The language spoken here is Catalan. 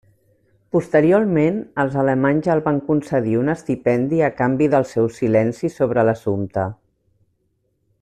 Posteriorment, els alemanys el van concedir un estipendi a canvi del seu silenci sobre l'assumpte.